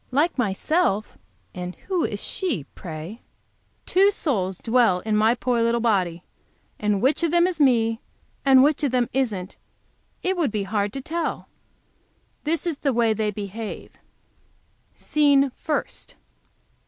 Like myself! And who is she, pray! Two souls dwell in my poor little body, and which of them is me, and which of them isn't, it would be hard to tell. This is the way they behave: SCENE FIRST.